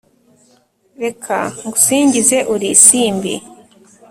reka ngusingize uri isimbi